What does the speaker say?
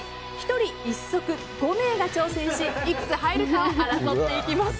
１人１足、５名が挑戦しいくつ入るかを争っていきます。